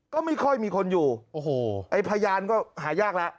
ก็ไม่ค่อยมีคนอยู่โอ้โหไอ้พยานก็หายากแล้ว